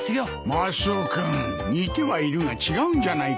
マスオ君似てはいるが違うんじゃないか？